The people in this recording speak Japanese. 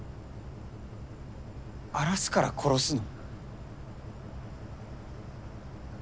荒らすから殺すの？